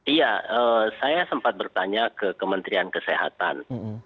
iya saya sempat bertanya ke kementerian kesehatan